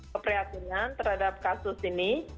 keprihatinan terhadap kasus ini